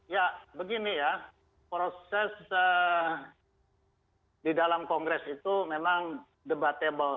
ya begini ya proses di dalam kongres itu memang debatable